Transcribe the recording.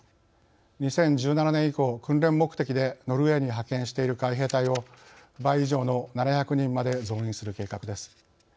２０１７年以降、訓練目的でノルウェーに派遣している海兵隊を倍以上の７００人まで増員する計画です。